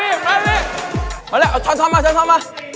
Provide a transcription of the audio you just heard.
ทีมคุณค่าครับได้วางเงินไว้๔๐๐บาท